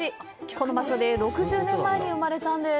この場所で６０年前に生まれたんです。